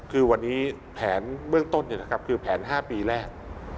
คือวันนี้แผนเรื่องต้นเนี่ยครับคือแผน๕ปีแรก